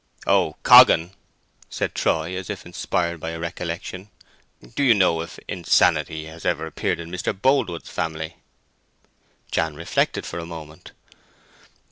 "Oh, Coggan," said Troy, as if inspired by a recollection "do you know if insanity has ever appeared in Mr. Boldwood's family?" Jan reflected for a moment.